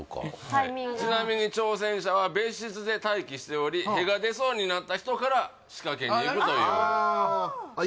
タイミングがちなみに挑戦者は別室で待機しており屁が出そうになった人から仕掛けにいくというああ